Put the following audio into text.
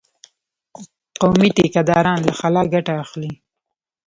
قومي ټيکه داران له خلا ګټه اخلي.